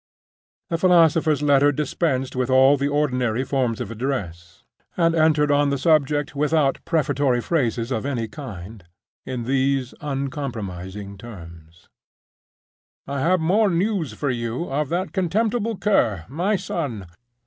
The philosopher's letter dispensed with all the ordinary forms of address, and entered on the subject without prefatory phrases of any kind, in these uncompromising terms: "I have more news for you of that contemptible cur, my son.